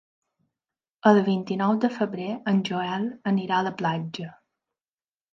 El vint-i-nou de febrer en Joel anirà a la platja.